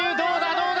どうだ？